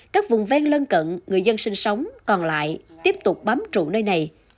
các vùng ven lân cận người dân sinh sống còn lại tiếp tục bám trụ nơi này